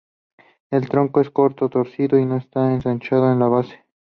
El tronco es corto, torcido y no está ensanchado en la base.